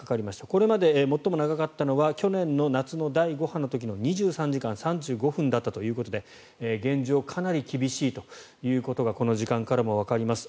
これまで最も長かったのは去年の夏の第５波の時の２３時間３５分だったということで現状、かなり厳しいということがこの時間からもわかります。